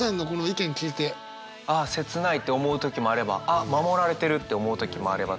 ああ切ないと思う時もあればあっ守られてるって思う時もあればという。